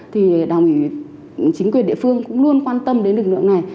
thì đồng ý chính quyền địa phương cũng luôn quan tâm đến lực lượng này